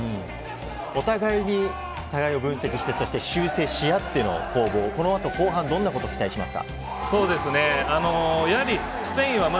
お互いにお互いを分析して修正しあっての攻防、この後、後半どんなことを期待しますか？